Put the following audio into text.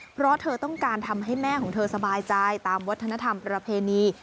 เพราะเธอต้องการทำให้แม่ของเธอสบายใจตามวัฒนธรรมประเพณี